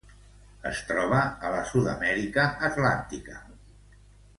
Es troba a la Sud-amèrica atlàntica.